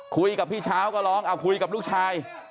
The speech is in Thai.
คุยกับพี่เช้าก็ร้องอ้าวคุยกับลูกชาย